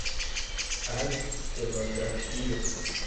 Al stenografio!